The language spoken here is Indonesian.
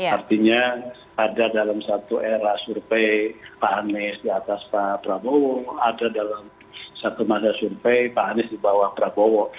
artinya ada dalam satu era survei pak anies di atas pak prabowo ada dalam satu masa survei pak anies di bawah prabowo